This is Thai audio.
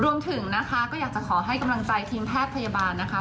รวมถึงนะคะก็อยากจะขอให้กำลังใจทีมแพทย์พยาบาลนะคะ